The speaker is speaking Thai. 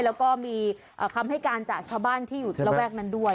แล้วก็มีคำให้การจากชาวบ้านที่อยู่ระแวกนั้นด้วย